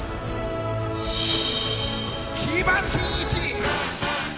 千葉真一！